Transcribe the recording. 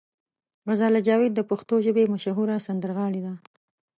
غزاله جاوید د پښتو ژبې مشهوره سندرغاړې ده.